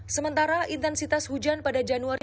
sementara intensitas hujan pada januari